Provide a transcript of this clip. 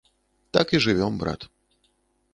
Так і жывём, брат.